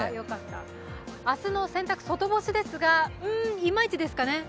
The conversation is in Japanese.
明日の洗濯、外干しですがうん、いまいちですかね。